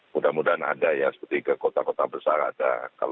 mudah mudahan ada ya seperti ke kota kota besar ada